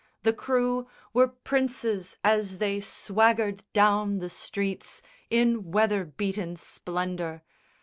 The crew Were princes as they swaggered down the streets In weather beaten splendour.